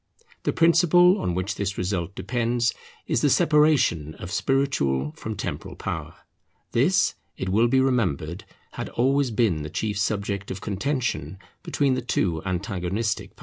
The principle on which this result depends is the separation of spiritual from temporal power. This, it will be remembered, had always been the chief subject of contention between the two antagonistic parties.